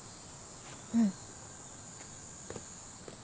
うん。